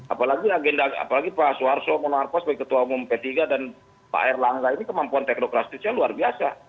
apalagi agen apalagi pak suwarso pak menarpos pak ketua umum p tiga dan pak erlangga ini kemampuan teknokrasisnya luar biasa